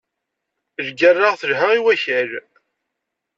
Lgerra telha i wakal.